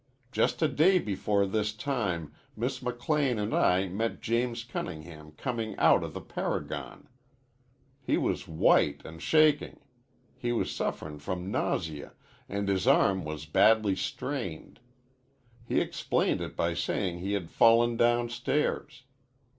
Just a day before this time Miss McLean an' I met James Cunningham comin' out of the Paragon. He was white an' shaking. He was sufferin' from nausea, an' his arm was badly strained. He explained it by sayin' he had fallen downstairs.